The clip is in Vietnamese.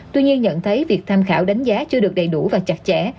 tuy nhiên nhận thấy việc tham khảo đánh giá chưa được đầy đủ và chặt chẽ